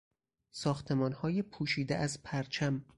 ساختمانهای پوشیده از پرچم